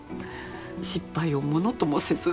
失敗をものともせず。